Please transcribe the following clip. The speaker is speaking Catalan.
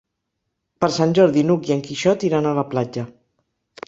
Per Sant Jordi n'Hug i en Quixot iran a la platja.